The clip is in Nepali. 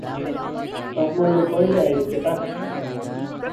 काठमाडौं कहिले आइस केटा?